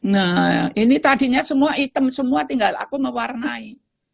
nah ini tadinya semua hitam semua tinggal aku mewarnai